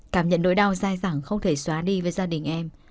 cảm nhận nỗi đau dai dẳng không thể xóa đi với gia đình em